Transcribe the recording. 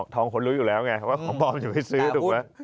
ทองคนรู้อยู่แล้วไงว่าของปลอมจะไม่ซื้อถูกไหม